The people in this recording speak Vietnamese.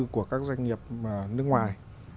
của các doanh nghiệp nước ngoài